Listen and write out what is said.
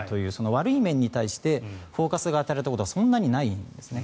悪い面にフォーカスが当てられたことはそんなにないんですね。